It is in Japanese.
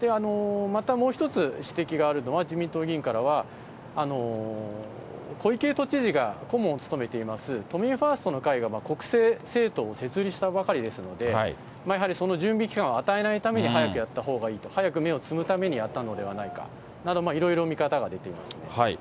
また、もう一つ指摘があるのは、自民党議員からは、小池都知事が顧問を務めております都民ファーストの会が国政政党を設立したばかりですので、やはりその準備期間を与えないために、早くやったほうがいいと、早く芽を摘むためにやったのではないかなど、いろいろ見方が出ていますね。